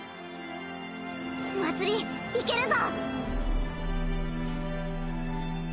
まつり行けるぞ！